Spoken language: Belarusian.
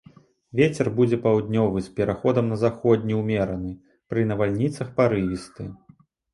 Вецер будзе паўднёвы з пераходам на заходні ўмераны, пры навальніцах парывісты.